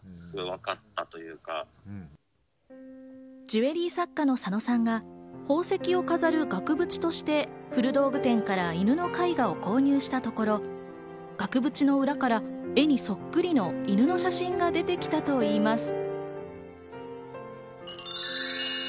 ジュエリー作家のサノさんが宝石を飾る額縁として古道具店から犬の絵画を購入したところ、額縁の裏から絵にそっくりの犬の写真が出てきたといいます。